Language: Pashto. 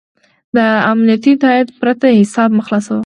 د امنیتي تایید پرته حساب مه خلاصوه.